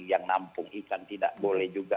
yang nampung ikan tidak boleh juga